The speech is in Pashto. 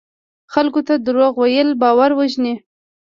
خلکو ته دروغ ویل باور وژني.